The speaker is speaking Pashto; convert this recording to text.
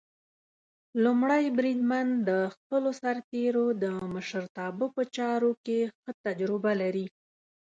لومړی بریدمن د خپلو سرتېرو د مشرتابه په چارو کې ښه تجربه لري.